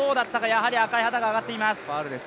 やはり赤い旗が上がっています。